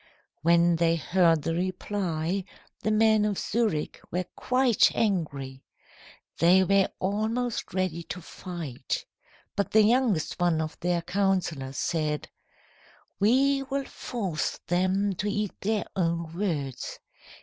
"When they heard the reply, the men of Zurich were quite angry. They were almost ready to fight. But the youngest one of their councillors said: "'We will force them to eat their own words.